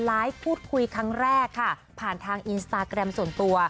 พูดคุยครั้งแรกค่ะผ่านทางอินสตาแกรมส่วนตัว